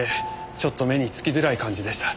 ちょっと目につきづらい感じでした。